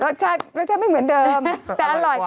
รสชาติไม่เหมือนเดิมแต่อร่อย